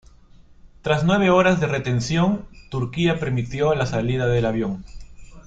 Tras nueve horas de retención, Turquía permitió la salida del avión.